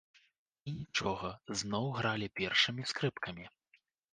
І нічога, зноў гралі першымі скрыпкамі.